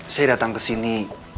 saya datang kesini